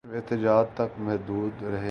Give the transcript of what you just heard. صرف احتجاج تک محدود رہ گئے